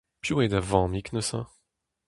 Piv eo da vammig neuze ?